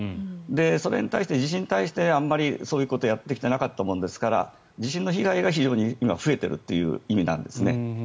それに対して地震に対してあまりそういうことをやってきていなかったものですから今、地震の被害が増えているという意味なんですね。